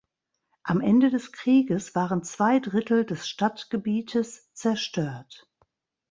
Am Ende des Krieges waren zwei Drittel des Stadtgebietes zerstört.